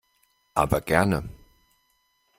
Aber gerne!